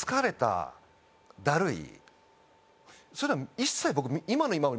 そういうのは一切僕。